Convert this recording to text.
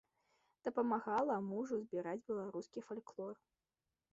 Дапамагала мужу збіраць беларускі фальклор.